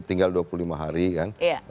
tinggal dua puluh lima hari kan